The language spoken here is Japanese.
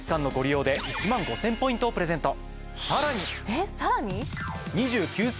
えっさらに？